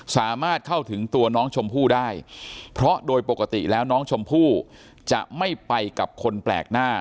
สามารถเข้าถึงตัวน้องชมพู่ได้เพราะโดยปกติแล้วน้องชมพู่จะไม่ไปกับคนแปลกหน้า